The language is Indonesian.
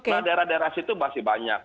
nah daerah daerah situ masih banyak